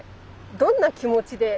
どんな気持ち？